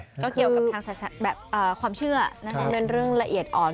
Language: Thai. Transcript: ก็เกี่ยวกับทางความเชื่อเรื่องละเอียดอ่อน